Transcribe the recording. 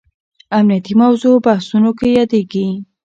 امنیتي موضوع بحثونو کې یادېږي.